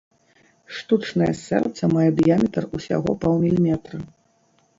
Штучнае сэрца мае дыяметр усяго паўміліметра.